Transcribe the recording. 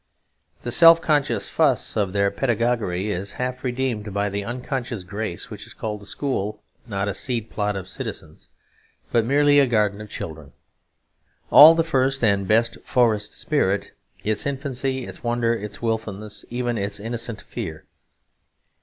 The self conscious fuss of their pedagogy is half redeemed by the unconscious grace which called a school not a seed plot of citizens, but merely a garden of children. All the first and best forest spirit is infancy, its wonder, its wilfulness, even its still innocent fear.